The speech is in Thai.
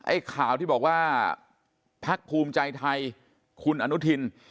ไอ้ข่าวที่บอกว่าพักภูมิใจไทยคุณอนุทิน